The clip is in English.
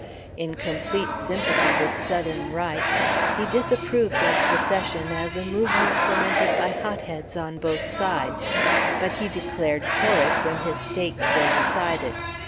In complete sympathy with Southern rights, he disapproved of Secession as a movement fomented by hotheads on both sides, but he declared for it when his State so decided.